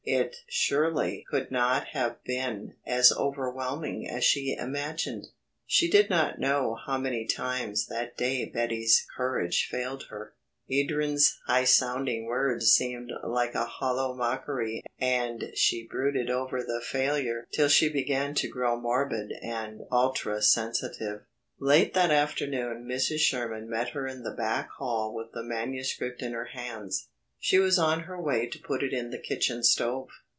It surely could not have been as overwhelming as she imagined. She did not know how many times that day Betty's courage failed her. Edryn's high sounding words seemed like a hollow mockery and she brooded over the failure till she began to grow morbid and ultra sensitive. Late that afternoon Mrs. Sherman met her in the back hall with the manuscript in her hands. She was on her way to put it in the kitchen stove.